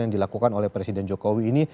yang dilakukan oleh presiden jokowi ini